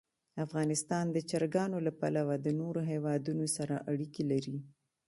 افغانستان د چرګانو له پلوه له نورو هېوادونو سره اړیکې لري.